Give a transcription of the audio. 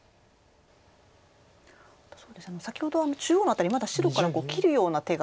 先ほど中央の辺りまだ白から切るような手が。